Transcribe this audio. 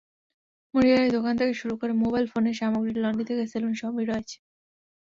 মনিহারি দোকান থেকে শুরু করে মোবাইল ফোনের সামগ্রী, লন্ড্রি থেকে সেলুন—সবই রয়েছে।